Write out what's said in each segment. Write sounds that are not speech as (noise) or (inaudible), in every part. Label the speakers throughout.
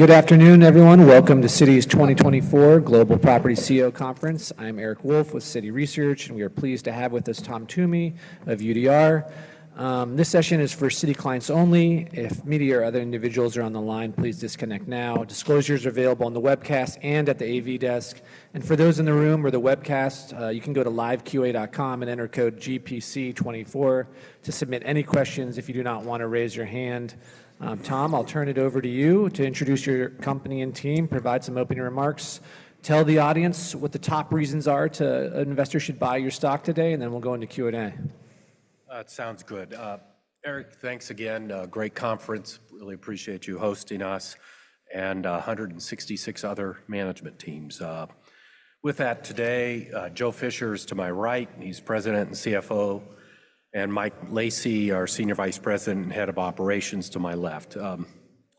Speaker 1: Good afternoon, everyone. Welcome to Citi's 2024 Global Property CEO Conference. I'm Eric Wolfe with Citi Research, and we are pleased to have with us Tom Toomey of UDR. This session is for Citi clients only. If media or other individuals are on the line, please disconnect now. Disclosures are available on the webcast and at the AV desk. For those in the room or the webcast, you can go to liveqa.com and enter code GPC24 to submit any questions if you do not want to raise your hand. Tom, I'll turn it over to you to introduce your company and team, provide some opening remarks, tell the audience what the top reasons are to an investor should buy your stock today, and then we'll go into Q&A.
Speaker 2: Sounds good. Eric, thanks again. Great conference. Really appreciate you hosting us and 166 other management teams. With that today, Joe Fisher is to my right, he's President and CFO, and Mike Lacy, our Senior Vice President and Head of Operations, to my left.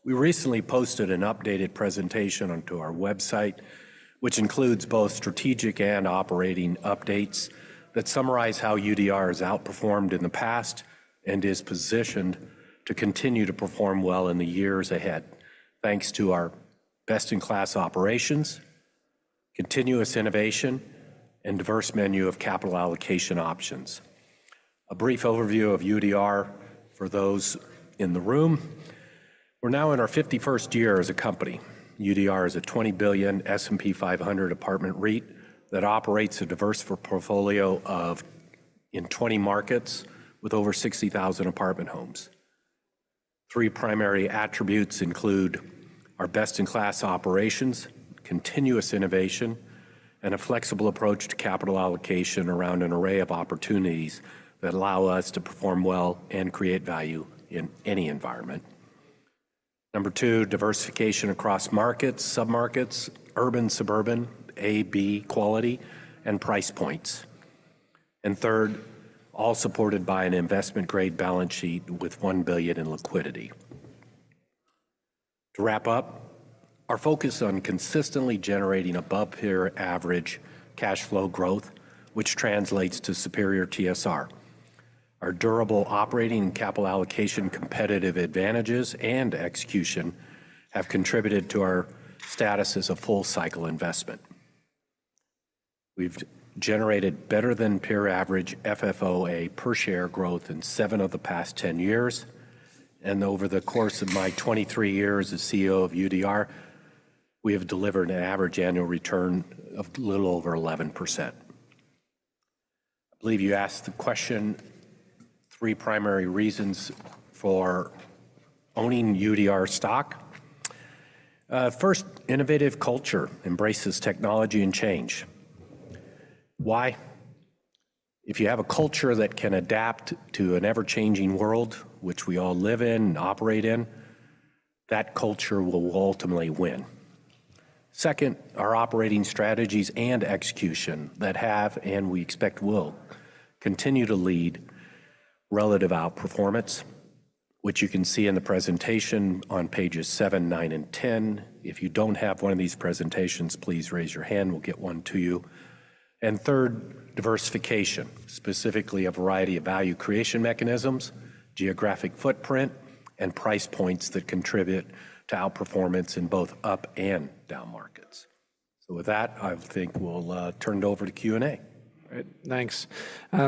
Speaker 2: We recently posted an updated presentation onto our website, which includes both strategic and operating updates that summarize how UDR has outperformed in the past and is positioned to continue to perform well in the years ahead, thanks to our best-in-class operations, continuous innovation, and diverse menu of capital allocation options. A brief overview of UDR for those in the room. We're now in our 51st year as a company. UDR is a $20 billion S&P 500 apartment REIT that operates a diverse portfolio in 20 markets with over 60,000 apartment homes. Three primary attributes include our best-in-class operations, continuous innovation, and a flexible approach to capital allocation around an array of opportunities that allow us to perform well and create value in any environment. Number two, diversification across markets, submarkets, urban, suburban, A, B quality, and price points. And third, all supported by an investment-grade balance sheet with $1 billion in liquidity. To wrap up, our focus on consistently generating above-peer average cash flow growth, which translates to superior TSR. Our durable operating and capital allocation competitive advantages and execution have contributed to our status as a full-cycle investment. We've generated better than peer average FFOA per share growth in seven of the past 10 years, and over the course of my 23 years as CEO of UDR, we have delivered an average annual return of little over 11%. I believe you asked the question, three primary reasons for owning UDR stock? First, innovative culture embraces technology and change. Why? If you have a culture that can adapt to an ever-changing world, which we all live in and operate in, that culture will ultimately win. Second, our operating strategies and execution that have, and we expect will, continue to lead relative outperformance, which you can see in the presentation on pages seven, nine and 10. If you don't have one of these presentations, please raise your hand, we'll get one to you. And third, diversification, specifically a variety of value creation mechanisms, geographic footprint, and price points that contribute to outperformance in both up and down markets. So with that, I think we'll turn it over to Q&A.
Speaker 1: All right, thanks.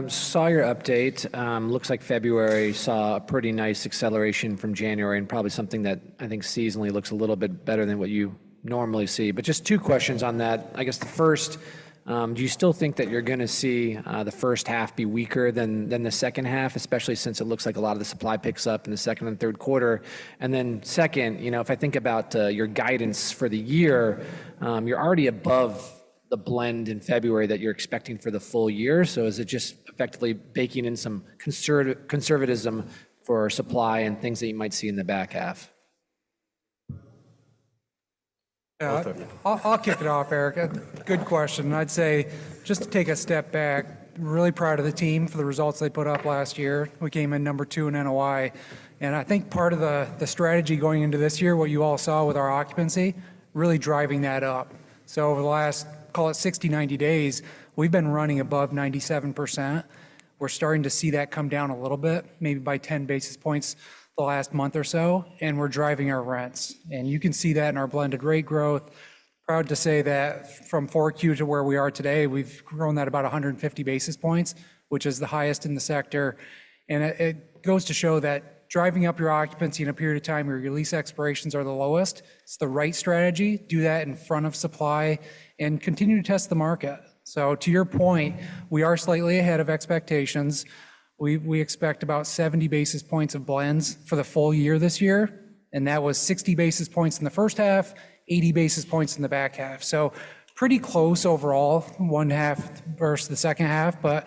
Speaker 1: Saw your update. Looks like February saw a pretty nice acceleration from January, and probably something that I think seasonally looks a little bit better than what you normally see. But just two questions on that. I guess the first, do you still think that you're gonna see the first half be weaker than the second half? Especially since it looks like a lot of the supply picks up in the second and third quarter. And then second, you know, if I think about your guidance for the year, you're already above the blend in February that you're expecting for the full year. So is it just effectively baking in some conservatism for supply and things that you might see in the back half?
Speaker 2: Yeah.
Speaker 3: I'll kick it off, Eric. Good question. I'd say, just to take a step back, we're really proud of the team for the results they put up last year. We came in number two in NOI, and I think part of the strategy going into this year, what you all saw with our occupancy, really driving that up. So over the last, call it 60-90 days, we've been running above 97%. We're starting to see that come down a little bit, maybe by 10 basis points the last month or so, and we're driving our rents. And you can see that in our blended rate growth. Proud to say that from 4Q to where we are today, we've grown at about 150 basis points, which is the highest in the sector. It goes to show that driving up your occupancy in a period of time where your lease expirations are the lowest, it's the right strategy. Do that in front of supply and continue to test the market. So to your point, we are slightly ahead of expectations. We expect about 70 basis points of blends for the full year this year, and that was 60 basis points in the first half, 80 basis points in the back half. So pretty close overall, one half versus the second half. But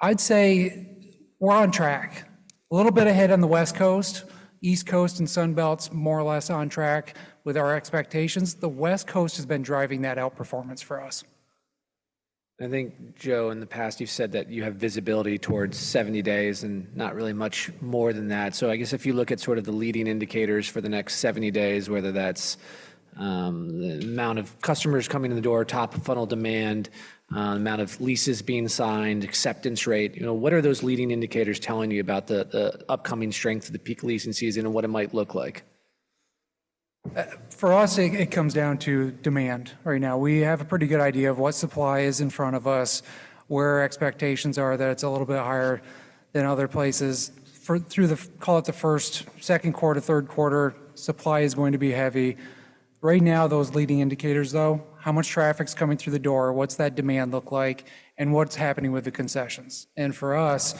Speaker 3: I'd say we're on track. A little bit ahead on the West Coast, East Coast and Sun Belt, more or less on track with our expectations. The West Coast has been driving that outperformance for us.
Speaker 1: I think, Joe, in the past, you've said that you have visibility towards 70 days and not really much more than that. So I guess if you look at sort of the leading indicators for the next 70 days, whether that's the amount of customers coming to the door, top-of-funnel demand, amount of leases being signed, acceptance rate. You know, what are those leading indicators telling you about the upcoming strength of the peak leasing season and what it might look like?
Speaker 4: For us, it comes down to demand right now. We have a pretty good idea of what supply is in front of us, where our expectations are that it's a little bit higher than other places. Through the, call it the first, second quarter, third quarter, supply is going to be heavy. Right now, those leading indicators, though, how much traffic's coming through the door, what's that demand look like, and what's happening with the concessions? And for us,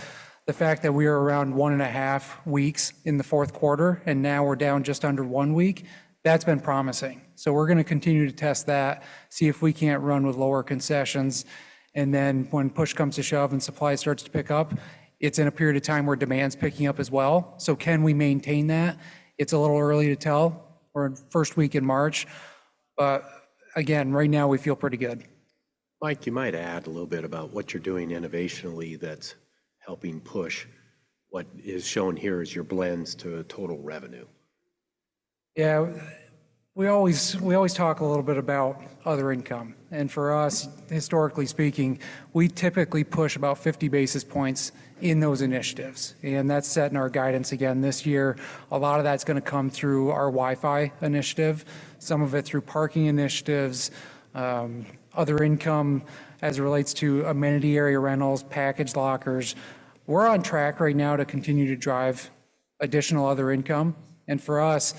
Speaker 4: the fact that we are around 1.5 weeks in the fourth quarter, and now we're down just under one week, that's been promising. So we're gonna continue to test that, see if we can't run with lower concessions, and then when push comes to shove and supply starts to pick up, it's in a period of time where demand's picking up as well. So can we maintain that? It's a little early to tell. We're in first week in March, but again, right now, we feel pretty good.
Speaker 2: Mike, you might add a little bit about what you're doing innovationally that's helping push what is shown here as your blends to total revenue.
Speaker 3: Yeah. We always talk a little bit about other income, and for us, historically speaking, we typically push about 50 basis points in those initiatives, and that's set in our guidance again this year. A lot of that's gonna come through our Wi-Fi initiative, some of it through parking initiatives, other income as it relates to amenity-area rentals, package lockers. We're on track right now to continue to drive additional other income, and for us,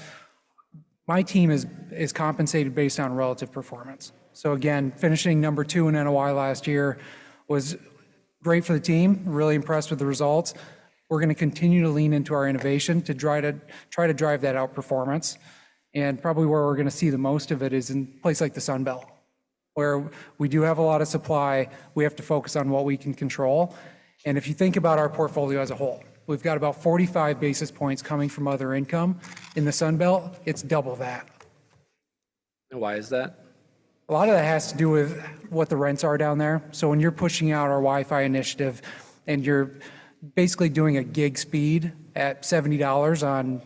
Speaker 3: my team is compensated based on relative performance. So again, finishing number two in NOI last year was great for the team, really impressed with the results. We're gonna continue to lean into our innovation to try to drive that outperformance. Probably where we're gonna see the most of it is in places like the Sun Belt, where we do have a lot of supply, we have to focus on what we can control. If you think about our portfolio as a whole, we've got about 45 basis points coming from other income. In the Sun Belt, it's double that.
Speaker 1: Why is that?
Speaker 3: A lot of that has to do with what the rents are down there. So when you're pushing out our Wi-Fi initiative, and you're basically doing a gig speed at $70 on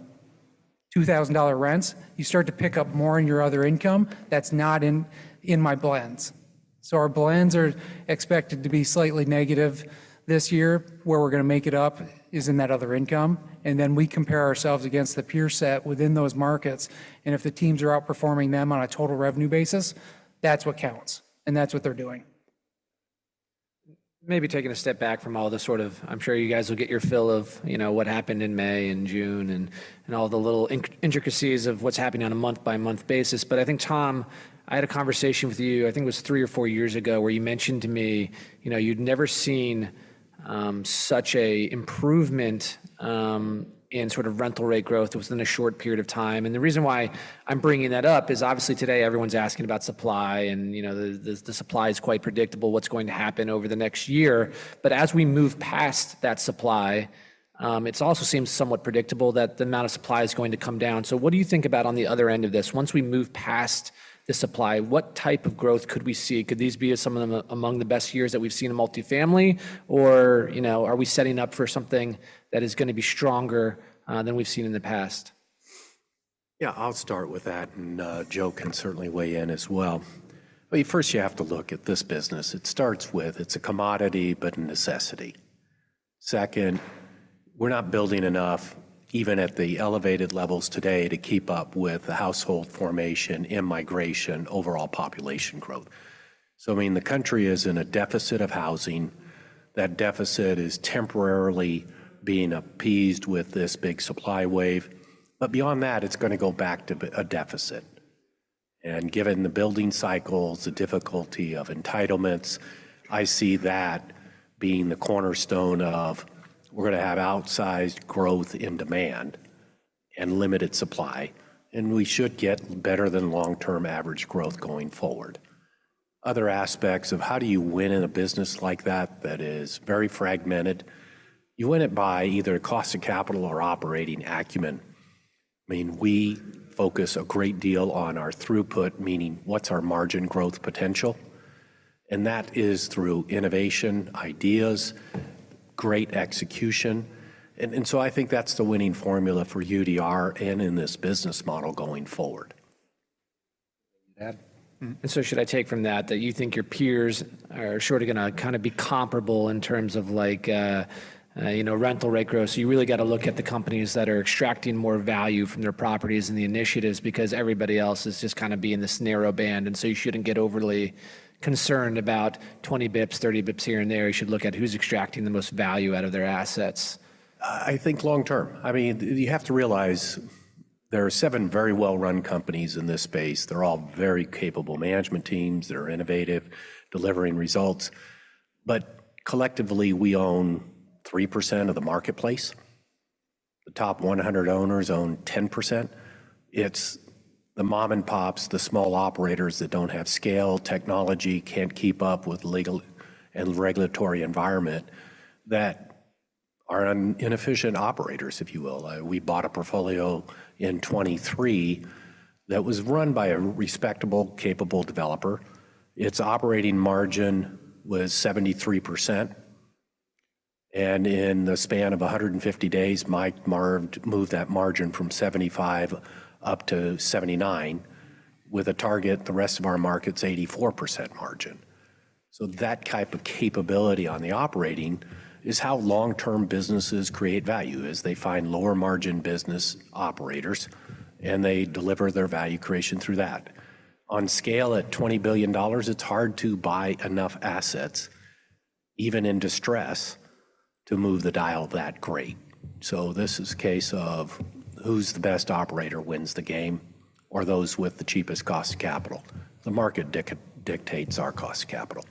Speaker 3: $2,000 rents, you start to pick up more in your other income. That's not in my blends. So our blends are expected to be slightly negative this year. Where we're gonna make it up is in that other income, and then we compare ourselves against the peer set within those markets, and if the teams are outperforming them on a total revenue basis, that's what counts, and that's what they're doing.
Speaker 1: Maybe taking a step back from all the sort of... I'm sure you guys will get your fill of, you know, what happened in May and June and all the little intricacies of what's happening on a month-by-month basis. But I think, Tom, I had a conversation with you, I think it was three or four years ago, where you mentioned to me, you know, you'd never seen such a improvement in sort of rental rate growth within a short period of time. And the reason why I'm bringing that up is obviously today, everyone's asking about supply, and, you know, the supply is quite predictable, what's going to happen over the next year. But as we move past that supply, it also seems somewhat predictable that the amount of supply is going to come down. So what do you think about on the other end of this? Once we move past the supply, what type of growth could we see? Could these be some of the among the best years that we've seen in multifamily, or, you know, are we setting up for something that is gonna be stronger than we've seen in the past?
Speaker 2: Yeah, I'll start with that, and Joe can certainly weigh in as well. Well, first, you have to look at this business. It starts with, it's a commodity, but a necessity. Second, we're not building enough, even at the elevated levels today, to keep up with the household formation, immigration, overall population growth. So, I mean, the country is in a deficit of housing. That deficit is temporarily being appeased with this big supply wave. But beyond that, it's gonna go back to a deficit, and given the building cycles, the difficulty of entitlements, I see that being the cornerstone of, we're gonna have outsized growth in demand and limited supply, and we should get better than long-term average growth going forward. Other aspects of how do you win in a business like that, that is very fragmented? You win it by either cost of capital or operating acumen. I mean, we focus a great deal on our throughput, meaning what's our margin growth potential? And that is through innovation, ideas, great execution, and, and so I think that's the winning formula for UDR and in this business model going forward.
Speaker 1: Yeah.
Speaker 2: Mm-hmm.
Speaker 1: And so should I take from that, that you think your peers are surely gonna kind of be comparable in terms of like, you know, rental rate growth? So you really got to look at the companies that are extracting more value from their properties and the initiatives because everybody else is just kind of be in this narrow band, and so you shouldn't get overly concerned about 20 basis points, 30 basis points here and there. You should look at who's extracting the most value out of their assets.
Speaker 2: I think long-term. I mean, you have to realize there are seven very well-run companies in this space. They're all very capable management teams. They're innovative, delivering results. But collectively, we own 3% of the marketplace. The top 100 owners own 10%. It's the mom-and-pops, the small operators that don't have scale, technology, can't keep up with legal and regulatory environment, that are inefficient operators, if you will. We bought a portfolio in 2023 that was run by a respectable, capable developer. Its operating margin was 73%.... And in the span of 150 days, Mike moved that margin from 75 up to 79, with a target, the rest of our market's 84% margin. So that type of capability on the operating is how long-term businesses create value, is they find lower margin business operators, and they deliver their value creation through that. On scale, at $20 billion, it's hard to buy enough assets, even in distress, to move the dial that great. So this is a case of who's the best operator wins the game, or those with the cheapest cost of capital. The market dictates our cost of capital.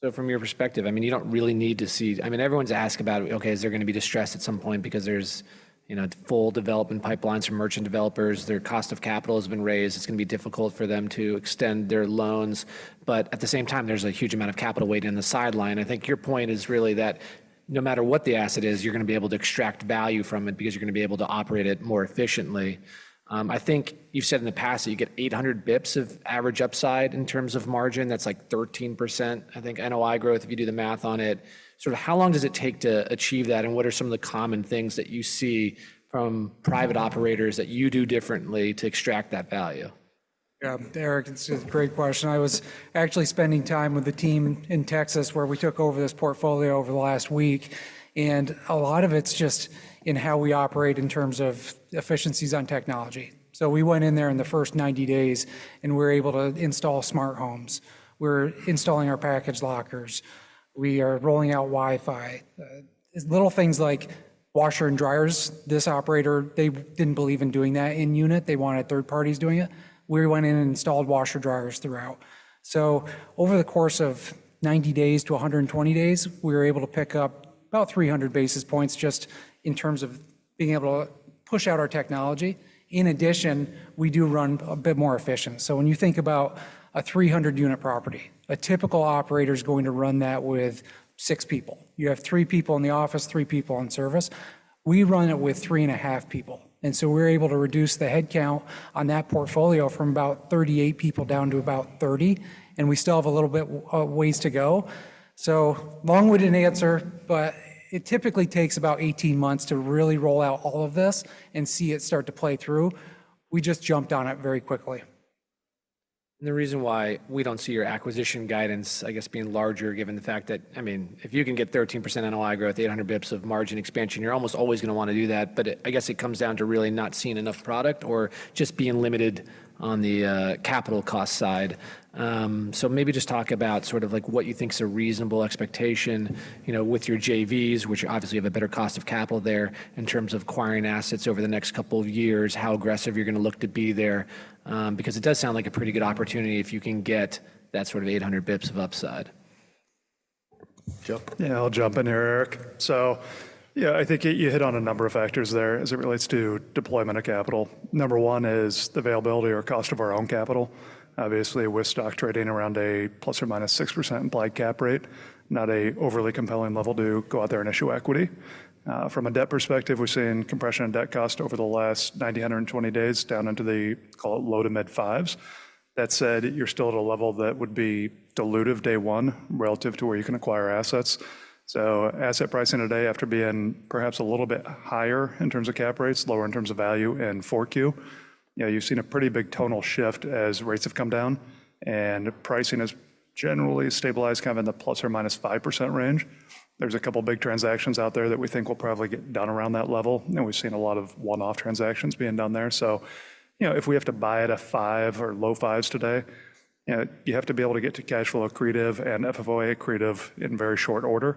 Speaker 1: So from your perspective, I mean, you don't really need to see, I mean, everyone's asked about, okay, is there gonna be distressed at some point because there's, you know, full development pipelines from merchant developers, their cost of capital has been raised, it's gonna be difficult for them to extend their loans. But at the same time, there's a huge amount of capital waiting in the sideline. I think your point is really that no matter what the asset is, you're gonna be able to extract value from it because you're gonna be able to operate it more efficiently. I think you've said in the past that you get 800 basis points of average upside in terms of margin. That's like 13%, I think, NOI growth, if you do the math on it. Sort of how long does it take to achieve that, and what are some of the common things that you see from private operators that you do differently to extract that value?
Speaker 3: Yeah, Eric, it's a great question. I was actually spending time with the team in Texas, where we took over this portfolio over the last week, and a lot of it's just in how we operate in terms of efficiencies on technology. So we went in there in the first 90 days, and we were able to install smart homes. We're installing our package lockers. We are rolling out Wi-Fi. Little things like washer and dryers. This operator, they didn't believe in doing that in unit. They wanted third-parties doing it. We went in and installed washer dryers throughout. So over the course of 90 days-120 days, we were able to pick up about 300 basis points just in terms of being able to push out our technology. In addition, we do run a bit more efficient. So when you think about a 300-unit property, a typical operator is going to run that with six people. You have three people in the office, three people on service. We run it with 3.5 people, and so we're able to reduce the headcount on that portfolio from about 38 people down to about 30, and we still have a little bit, ways to go. So long-winded answer, but it typically takes about 18 months to really roll out all of this and see it start to play through. We just jumped on it very quickly.
Speaker 1: The reason why we don't see your acquisition guidance, I guess, being larger, given the fact that, I mean, if you can get 13% NOI growth at 800 basis points of margin expansion, you're almost always gonna wanna do that. But it, I guess it comes down to really not seeing enough product or just being limited on the capital cost side. So maybe just talk about sort of like what you think is a reasonable expectation, you know, with your JVs, which obviously have a better cost of capital there, in terms of acquiring assets over the next couple of years, how aggressive you're gonna look to be there. Because it does sound like a pretty good opportunity if you can get that sort of 800 basis points of upside.
Speaker 2: Joe?
Speaker 4: Yeah, I'll jump in here, Eric. So yeah, I think you hit on a number of factors there as it relates to deployment of capital. Number one is the availability or cost of our own capital. Obviously, with stock trading around a ±6% cap rate, not an overly compelling level to go out there and issue equity. From a debt perspective, we're seeing compression in debt cost over the last 90-120 days, down into the, call it, low to mid-fives. That said, you're still at a level that would be dilutive day one relative to where you can acquire assets. So asset pricing today, after being perhaps a little bit higher in terms of cap rates, lower in terms of value in 4Q, you know, you've seen a pretty big tonal shift as rates have come down, and pricing has generally stabilized kind of in the ±5% range. There's a couple of big transactions out there that we think will probably get done around that level, and we've seen a lot of one-off transactions being done there. So you know, if we have to buy at a five or low fives today, you know, you have to be able to get to cash flow accretive and FFOA accretive in very short order.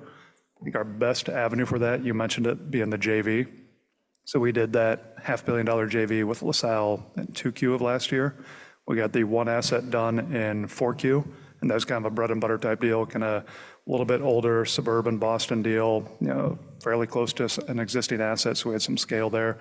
Speaker 4: I think our best avenue for that, you mentioned it, being the JV. So we did that $500 million JV with LaSalle in 2Q of last year. We got the one asset done in 4Q, and that was kind of a bread-and-butter type deal, kind of a little bit older, suburban Boston deal, you know, fairly close to an existing asset, so we had some scale there.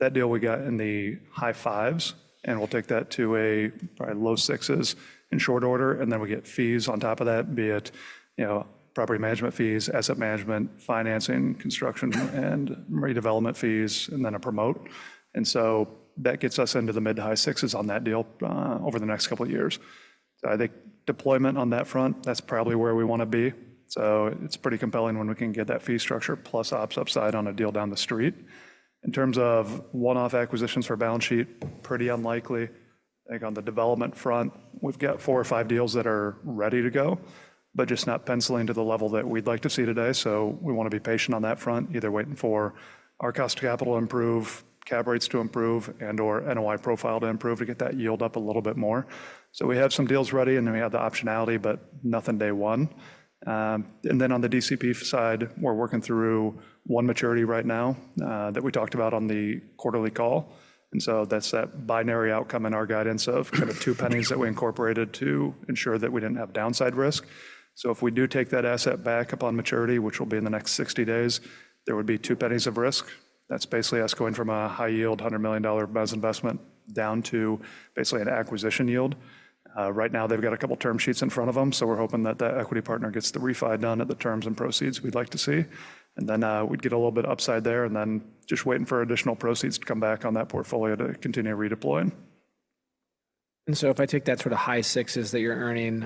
Speaker 4: That deal we got in the high fives, and we'll take that to a probably low sixes in short order, and then we get fees on top of that, be it, you know, property management fees, asset management, financing, construction, and redevelopment fees, and then a promote. And so that gets us into the mid- to high sixes on that deal over the next couple of years. So I think deployment on that front, that's probably where we wanna be. So it's pretty compelling when we can get that fee structure, plus ops upside on a deal down the street. In terms of one-off acquisitions for balance sheet, pretty unlikely. I think on the development front, we've got four or five deals that are ready to go, but just not penciling to the level that we'd like to see today. So we wanna be patient on that front, either waiting for our cost of capital to improve, cap rates to improve, and/or NOI profile to improve, to get that yield up a little bit more. So we have some deals ready, and then we have the optionality, but nothing day one. And then on the DCP side, we're working through one maturity right now, that we talked about on the quarterly call, and so that's that binary outcome in our guidance of kind of $0.02 that we incorporated to ensure that we didn't have downside risk. So if we do take that asset back upon maturity, which will be in the next 60 days, there would be $0.02 of risk. That's basically us going from a high yield, $100 million Mezz investment down to basically an acquisition yield. Right now, they've got a couple term sheets in front of them, so we're hoping that that equity partner gets the refi done at the terms and proceeds we'd like to see. And then, we'd get a little bit upside there, and then just waiting for additional proceeds to come back on that portfolio to continue redeploying. ...
Speaker 1: And so if I take that sort of high sixes that you're earning,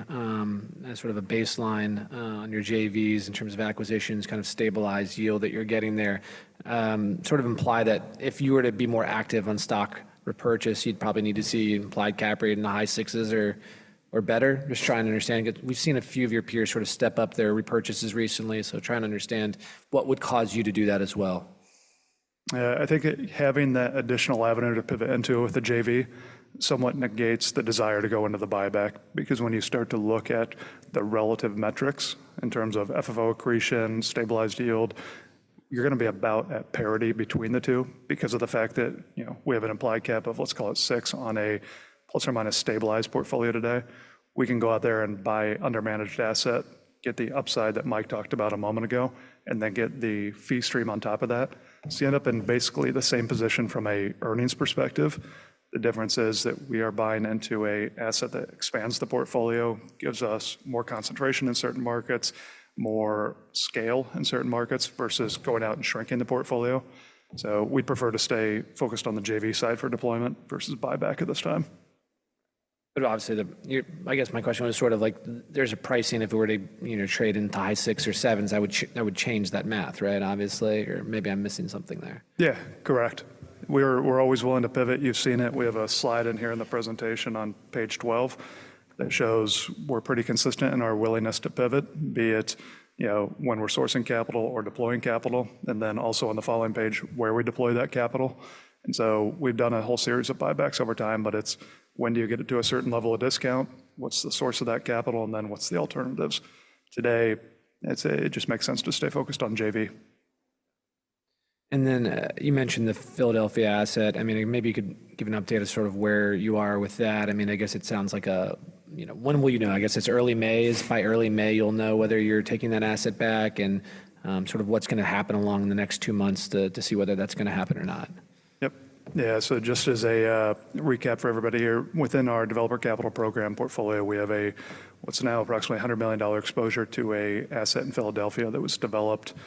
Speaker 1: as sort of a baseline, on your JVs in terms of acquisitions, kind of stabilized yield that you're getting there, sort of imply that if you were to be more active on stock repurchase, you'd probably need to see implied cap rate in the high sixes or, or better? Just trying to understand, 'cause we've seen a few of your peers sort of step up their repurchases recently, so trying to understand what would cause you to do that as well.
Speaker 4: I think that having that additional avenue to pivot into with the JV somewhat negates the desire to go into the buyback, because when you start to look at the relative metrics in terms of FFO accretion, stabilized yield, you're gonna be about at parity between the two because of the fact that, you know, we have an implied cap of, let's call it six, on a plus or minus stabilized portfolio today. We can go out there and buy undermanaged asset, get the upside that Mike talked about a moment ago, and then get the fee stream on top of that. So you end up in basically the same position from an earnings perspective. The difference is that we are buying into an asset that expands the portfolio, gives us more concentration in certain markets, more scale in certain markets, versus going out and shrinking the portfolio. So we'd prefer to stay focused on the JV side for deployment versus buyback at this time.
Speaker 1: But obviously, I guess my question was sort of like, there's a pricing if we were to, you know, trade into high six or sevens, that would change that math, right? Obviously. Or maybe I'm missing something there.
Speaker 4: Yeah. Correct. We're always willing to pivot. You've seen it. We have a slide in here in the presentation on page 12 that shows we're pretty consistent in our willingness to pivot, be it, you know, when we're sourcing capital or deploying capital, and then also on the following page, where we deploy that capital. And so we've done a whole series of buybacks over time, but it's when do you get it to a certain level of discount, what's the source of that capital, and then what's the alternatives? Today, I'd say it just makes sense to stay focused on JV.
Speaker 1: And then, you mentioned the Philadelphia asset. I mean, maybe you could give an update of sort of where you are with that. I mean, I guess it sounds like a, you know... When will you know? I guess it's early May. By early May, you'll know whether you're taking that asset back and, sort of what's gonna happen along the next two months to see whether that's gonna happen or not.
Speaker 4: Yep. Yeah, so just as a recap for everybody here, within our Developer Capital Program portfolio, we have what's now approximately $100 million exposure to an asset in Philadelphia that was developed. You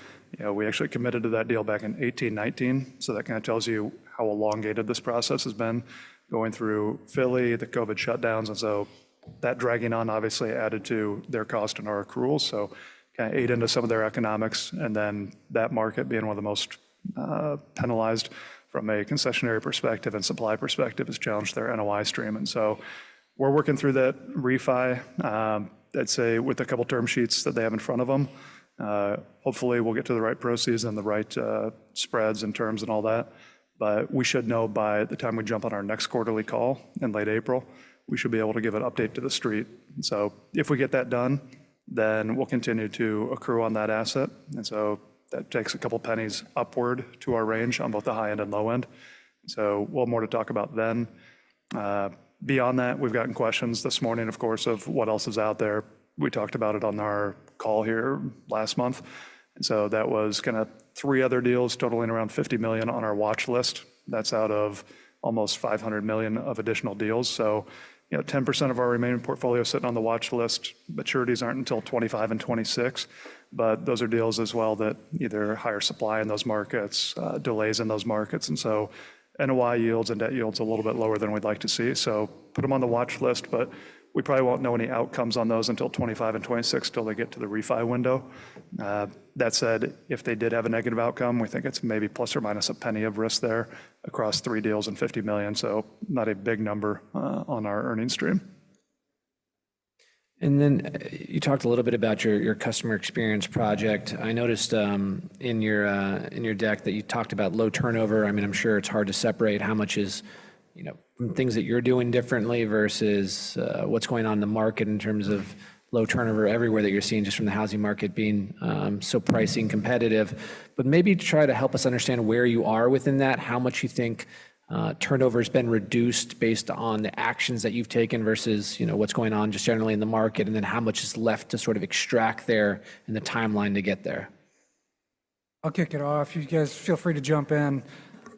Speaker 4: know, we actually committed to that deal back in 2018-2019, so that kind of tells you how elongated this process has been, going through Philly, the COVID shutdowns, and so that dragging on obviously added to their cost and our accrual, so kinda ate into some of their economics. Then that market being one of the most penalized from a concessions perspective and supply perspective has challenged their NOI stream. And so we're working through that refi, I'd say, with a couple term sheets that they have in front of them. Hopefully, we'll get to the right proceeds and the right spreads and terms and all that, but we should know by the time we jump on our next quarterly call in late April, we should be able to give an update to the street. So if we get that done, then we'll continue to accrue on that asset, and so that takes a couple pennies upward to our range on both the high end and low end. So one more to talk about then. Beyond that, we've gotten questions this morning, of course, of what else is out there. We talked about it on our call here last month, and so that was kinda three other deals totaling around $50 million on our watch list. That's out of almost $500 million of additional deals. You know, 10% of our remaining portfolio is sitting on the watch list. Maturities aren't until 2025 and 2026, but those are deals as well that either higher supply in those markets, delays in those markets, and so NOI yields and debt yields a little bit lower than we'd like to see. So put them on the watch list, but we probably won't know any outcomes on those until 2025 and 2026 till they get to the refi window. That said, if they did have a negative outcome, we think it's maybe ±$0.01 of risk there across three deals and $50 million, so not a big number on our earnings stream.
Speaker 1: And then, you talked a little bit about your customer experience project. I noticed, in your deck that you talked about low turnover. I mean, I'm sure it's hard to separate how much is, you know, from things that you're doing differently versus, what's going on in the market in terms of low turnover everywhere that you're seeing, just from the housing market being so pricing competitive. But maybe try to help us understand where you are within that, how much you think turnover has been reduced based on the actions that you've taken versus, you know, what's going on just generally in the market, and then how much is left to sort of extract there and the timeline to get there.
Speaker 3: I'll kick it off. You guys feel free to jump in.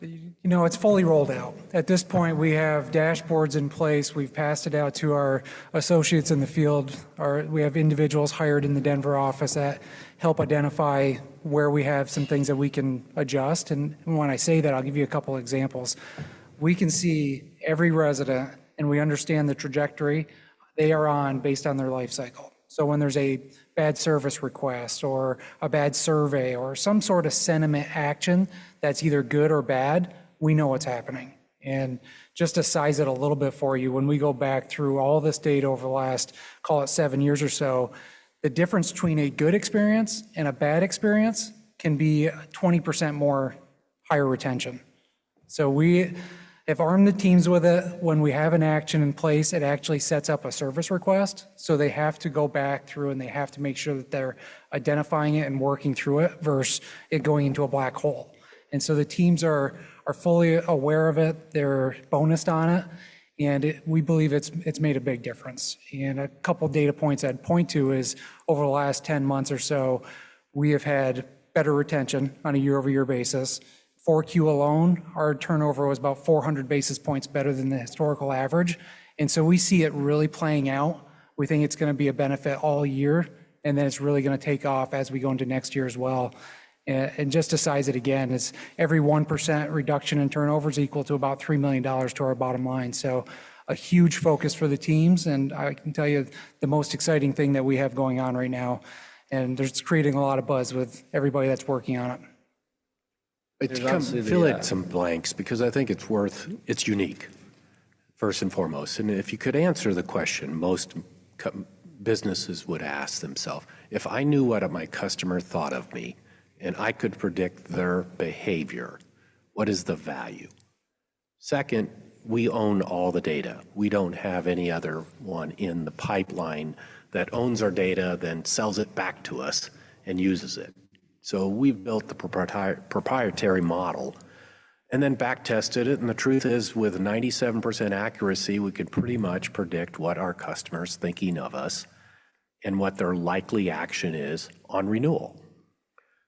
Speaker 3: You know, it's fully rolled out. At this point, we have dashboards in place. We've passed it out to our associates in the field, or we have individuals hired in the Denver office that help identify where we have some things that we can adjust. And when I say that, I'll give you a couple examples. We can see every resident, and we understand the trajectory they are on based on their life cycle. So when there's a bad service request, or a bad survey, or some sort of sentiment action that's either good or bad, we know what's happening. Just to size it a little bit for you, when we go back through all this data over the last, call it seven years or so, the difference between a good experience and a bad experience can be 20% more higher retention. So we have armed the teams with it. When we have an action in place, it actually sets up a service request, so they have to go back through and they have to make sure that they're identifying it and working through it versus it going into a black hole. And so the teams are fully aware of it, they're bonused on it, and it, we believe it's made a big difference. And a couple data points I'd point to is, over the last 10 months or so, we have had better retention on a year-over-year basis. 4Q alone, our turnover was about 400 basis points better than the historical average, and so we see it really playing out.... We think it's gonna be a benefit all year, and then it's really gonna take off as we go into next year as well. And just to size it again, is every 1% reduction in turnover is equal to about $3 million to our bottom line. So a huge focus for the teams, and I can tell you the most exciting thing that we have going on right now, and it's creating a lot of buzz with everybody that's working on it.
Speaker 1: It's come- (crosstalk)
Speaker 2: Fill in some blanks, because I think it's worth it, it's unique, first and foremost. And if you could answer the question most companies would ask themselves: If I knew what my customer thought of me, and I could predict their behavior, what is the value? Second, we own all the data. We don't have any other one in the pipeline that owns our data, then sells it back to us and uses it. So we've built the proprietary model and then back-tested it, and the truth is, with 97% accuracy, we could pretty much predict what our customer's thinking of us and what their likely action is on renewal.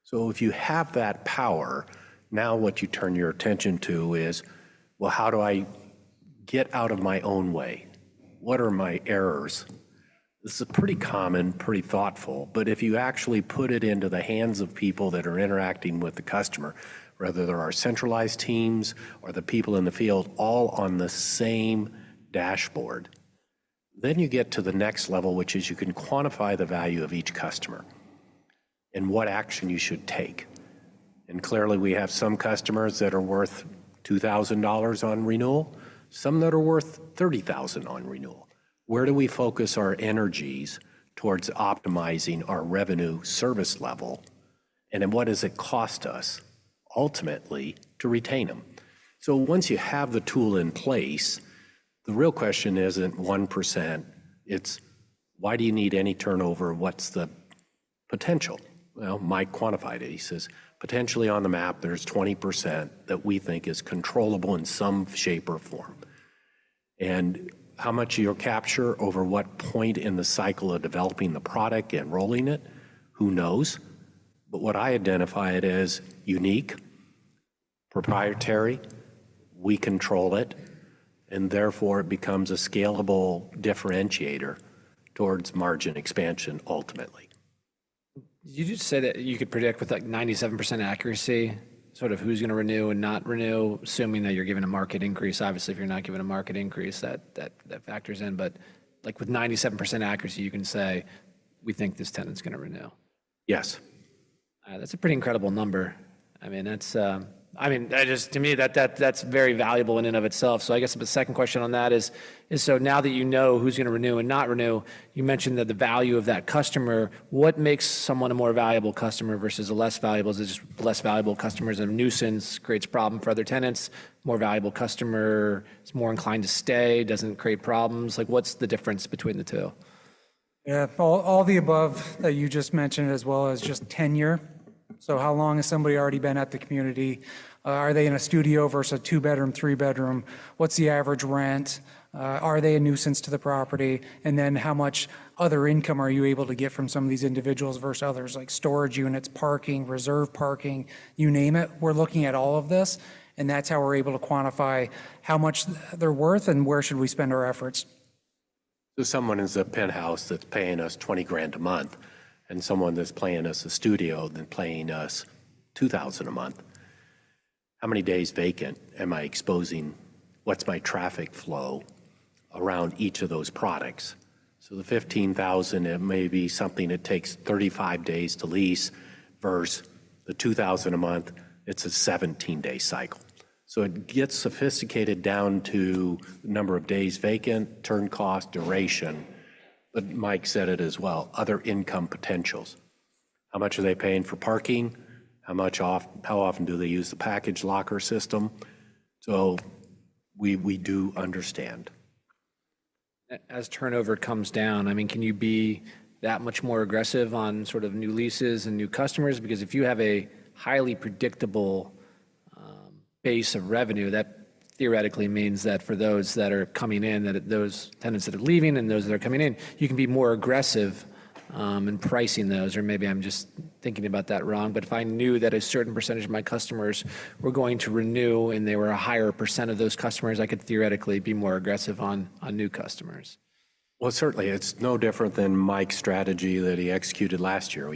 Speaker 2: So if you have that power, now what you turn your attention to is, well, how do I get out of my own way? What are my errors? This is pretty common, pretty thoughtful, but if you actually put it into the hands of people that are interacting with the customer, whether they're our centralized teams or the people in the field, all on the same dashboard, then you get to the next level, which is you can quantify the value of each customer and what action you should take. And clearly, we have some customers that are worth $2,000 on renewal, some that are worth $30,000 on renewal. Where do we focus our energies towards optimizing our revenue service level, and then what does it cost us, ultimately, to retain them? So once you have the tool in place, the real question isn't 1%, it's: Why do you need any turnover? What's the potential? Well, Mike quantified it. He says, "Potentially on the map, there's 20% that we think is controllable in some shape or form." And how much you'll capture over what point in the cycle of developing the product and rolling it, who knows? But what I identify it as unique, proprietary, we control it, and therefore it becomes a scalable differentiator towards margin expansion, ultimately.
Speaker 1: Did you just say that you could predict with, like, 97% accuracy, sort of who's gonna renew and not renew, assuming that you're given a market increase? Obviously, if you're not given a market increase, that factors in. But, like, with 97% accuracy, you can say, "We think this tenant's gonna renew.
Speaker 2: Yes.
Speaker 1: That's a pretty incredible number. I mean, that's... I mean, that just, to me, that, that's very valuable in and of itself. So I guess the second question on that is, so now that you know who's gonna renew and not renew, you mentioned that the value of that customer, what makes someone a more valuable customer versus a less valuable? Is it just less valuable customers are a nuisance, creates a problem for other tenants? More valuable customer is more inclined to stay, doesn't create problems. Like, what's the difference between the two?
Speaker 3: Yeah, all, all the above that you just mentioned, as well as just tenure. So how long has somebody already been at the community? Are they in a studio versus a two-bedroom, three-bedroom? What's the average rent? Are they a nuisance to the property? And then how much other income are you able to get from some of these individuals versus others, like storage units, parking, reserve parking? You name it, we're looking at all of this, and that's how we're able to quantify how much they're worth and where should we spend our efforts.
Speaker 2: So someone is in a penthouse that's paying us $20,000 a month, and someone that's paying us a studio that's paying us $2,000 a month. How many days vacant am I exposing? What's my traffic flow around each of those products? So the $15,000, it may be something that takes 35 days to lease, versus the $2,000 a month, it's a 17-day cycle. So it gets sophisticated down to number of days vacant, turn cost, duration. But Mike said it as well, other income potentials. How much are they paying for parking? How often do they use the package locker system? So we do understand.
Speaker 1: As turnover comes down, I mean, can you be that much more aggressive on sort of new leases and new customers? Because if you have a highly predictable base of revenue, that theoretically means that for those that are coming in, that those tenants that are leaving and those that are coming in, you can be more aggressive in pricing those. Or maybe I'm just thinking about that wrong, but if I knew that a certain percentage of my customers were going to renew and they were a higher percent of those customers, I could theoretically be more aggressive on new customers.
Speaker 2: Well, certainly, it's no different than Mike's strategy that he executed last year.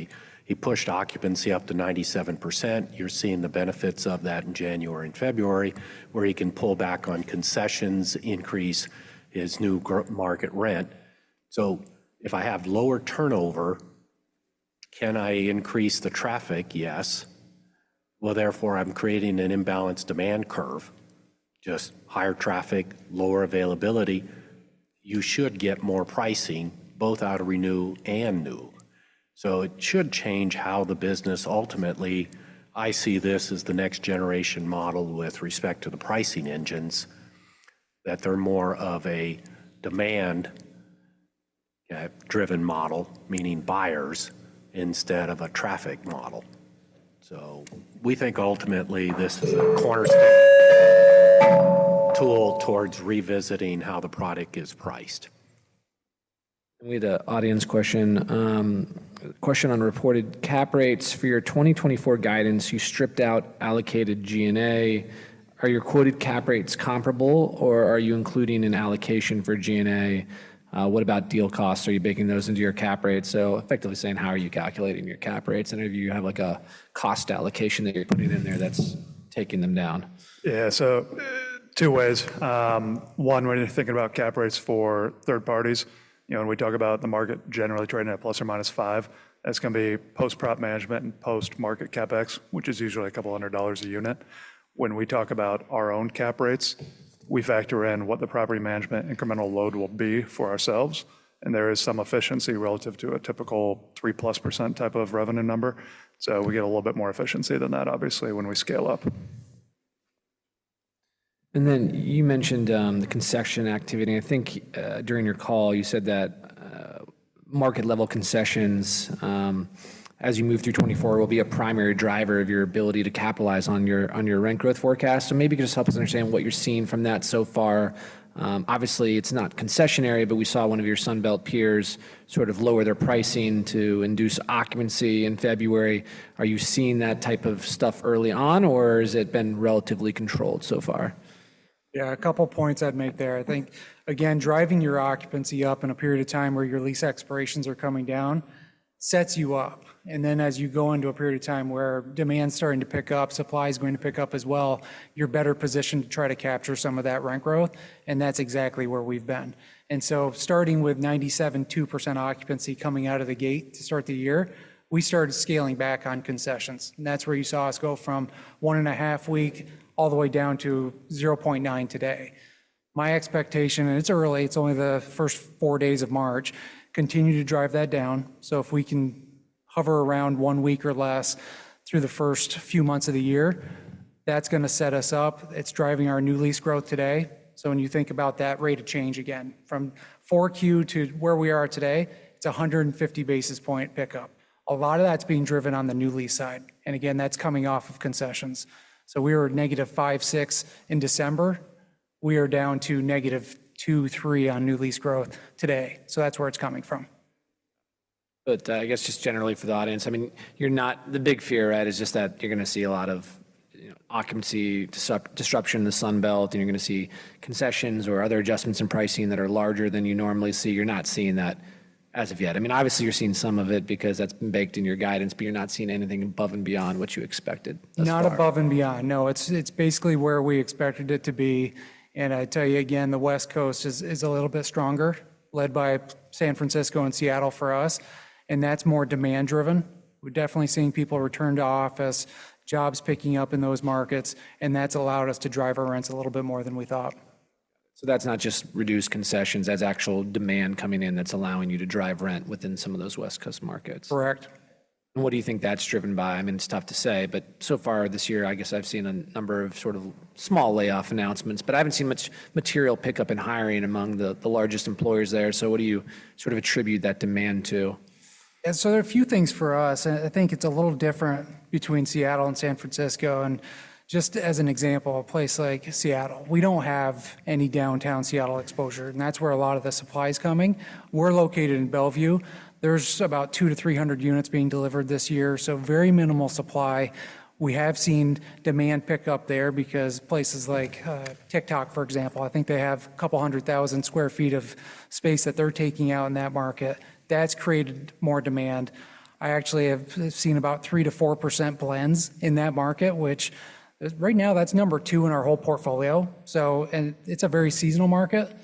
Speaker 2: He pushed occupancy up to 97%. You're seeing the benefits of that in January and February, where he can pull back on concessions, increase his new market rent. So if I have lower turnover, can I increase the traffic? Yes. Well, therefore, I'm creating an imbalanced demand curve, just higher traffic, lower availability. You should get more pricing, both out of renew and new. So it should change how the business ultimately... I see this as the next generation model with respect to the pricing engines, that they're more of a demand driven model, meaning buyers instead of a traffic model. So we think ultimately this is a cornerstone tool towards revisiting how the product is priced. ...
Speaker 1: We have an audience question, question on reported cap rates. For your 2024 guidance, you stripped out allocated G&A. Are your quoted cap rates comparable, or are you including an allocation for G&A? What about deal costs? Are you baking those into your cap rates? So effectively saying, how are you calculating your cap rates? And if you have, like, a cost allocation that you're putting in there that's taking them down.
Speaker 3: Yeah, so two ways. One, when you're thinking about cap rates for third-parties, you know, when we talk about the market generally trading at ±5%, that's gonna be post-prop management and post-market CapEx, which is usually $200 a unit. When we talk about our own cap rates, we factor in what the property management incremental load will be for ourselves, and there is some efficiency relative to a typical 3%+ type of revenue number. So we get a little bit more efficiency than that, obviously, when we scale up.
Speaker 1: Then you mentioned the concession activity. I think during your call, you said that market-level concessions as you move through 2024 will be a primary driver of your ability to capitalize on your, on your rent growth forecast. So maybe just help us understand what you're seeing from that so far. Obviously, it's not concessionary, but we saw one of your Sun Belt peers sort of lower their pricing to induce occupancy in February. Are you seeing that type of stuff early on, or has it been relatively controlled so far?
Speaker 3: Yeah, a couple points I'd make there. I think, again, driving your occupancy up in a period of time where your lease expirations are coming down sets you up, and then as you go into a period of time where demand's starting to pick up, supply is going to pick up as well, you're better positioned to try to capture some of that rent growth, and that's exactly where we've been. And so starting with 97.2% occupancy coming out of the gate to start the year, we started scaling back on concessions, and that's where you saw us go from 1.5 week all the way down to 0.9 today. My expectation, and it's early, it's only the first four days of March, continue to drive that down. So if we can hover around one week or less through the first few months of the year, that's gonna set us up. It's driving our new lease growth today. So when you think about that rate of change again, from 4Q to where we are today, it's a 150 basis point pickup. A lot of that's being driven on the new lease side, and again, that's coming off of concessions. So we were -5, 6 in December. We are down to -2, 3 on new lease growth today. So that's where it's coming from.
Speaker 1: But, I guess just generally for the audience, I mean, the big fear, right, is just that you're gonna see a lot of, you know, occupancy disruption in the Sun Belt, and you're gonna see concessions or other adjustments in pricing that are larger than you normally see. You're not seeing that as of yet. I mean, obviously, you're seeing some of it because that's been baked in your guidance, but you're not seeing anything above and beyond what you expected thus far.
Speaker 3: Not above and beyond, no. It's, it's basically where we expected it to be, and I tell you again, the West Coast is, is a little bit stronger, led by San Francisco and Seattle for us, and that's more demand driven. We're definitely seeing people return to office, jobs picking up in those markets, and that's allowed us to drive our rents a little bit more than we thought.
Speaker 1: That's not just reduced concessions, that's actual demand coming in that's allowing you to drive rent within some of those West Coast markets?
Speaker 3: Correct.
Speaker 1: What do you think that's driven by? I mean, it's tough to say, but so far this year, I guess I've seen a number of sort of small layoff announcements, but I haven't seen much material pickup in hiring among the largest employers there. What do you sort of attribute that demand to?
Speaker 3: Yeah, so there are a few things for us, and I think it's a little different between Seattle and San Francisco. Just as an example, a place like Seattle, we don't have any downtown Seattle exposure, and that's where a lot of the supply is coming. We're located in Bellevue. There's about 200-300 units being delivered this year, so very minimal supply. We have seen demand pick up there because places like TikTok, for example, I think they have a couple hundred thousand square feet of space that they're taking out in that market. That's created more demand. I actually have seen about 3%-4% blends in that market, which, right now, that's number two in our whole portfolio. So, and it's a very seasonal market.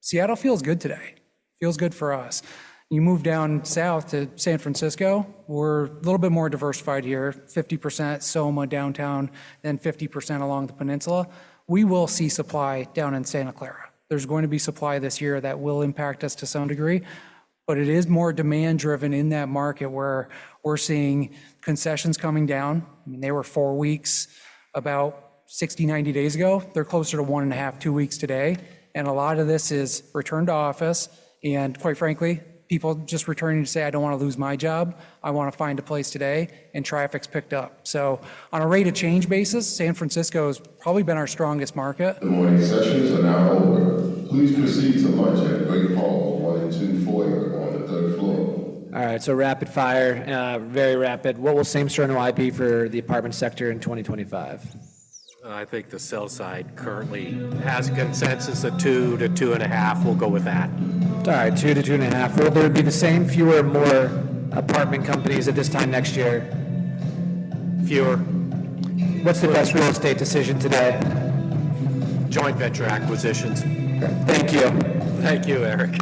Speaker 3: Seattle feels good today. Feels good for us. You move down south to San Francisco, we're a little bit more diversified here, 50% SoMa downtown and 50% along the Peninsula. We will see supply down in Santa Clara. There's going to be supply this year that will impact us to some degree, but it is more demand driven in that market where we're seeing concessions coming down. I mean, they were four weeks, about 60, 90 days ago. They're closer to 1.5, two weeks today, and a lot of this is return to office and, quite frankly, people just returning to say, "I don't want to lose my job. I want to find a place today," and traffic's picked up. So on a rate of change basis, San Francisco has probably been our strongest market.
Speaker 1: All right, so rapid fire, very rapid. What will Same Store NOI be for the apartment sector in 2025?
Speaker 2: I think the sell side currently has consensus of 2%-2.5%. We'll go with that.
Speaker 1: All right, 2%-2.5%. Will there be the same, fewer, or more apartment companies at this time next year?
Speaker 2: Fewer.
Speaker 1: What's the best real estate decision today?
Speaker 2: Joint venture acquisitions.
Speaker 1: Thank you.
Speaker 2: Thank you, Eric.